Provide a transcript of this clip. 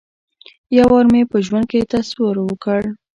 یو وار مې په ژوند کې تصور وکړ.